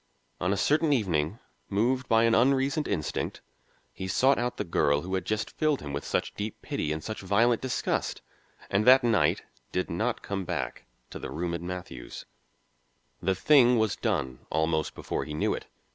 On a certain evening, moved by an unreasoned instinct, he sought out the girl who had just filled him with such deep pity and such violent disgust, and that night did not come back to the room in Matthew's. The thing was done almost before he knew it.